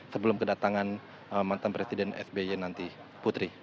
sebelum kedatangan mantan presiden sby nanti putri